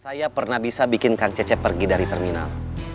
saya pernah bisa bikin kang cecep pergi dari terminal